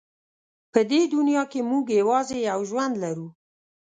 په دې دنیا کې موږ یوازې یو ژوند لرو.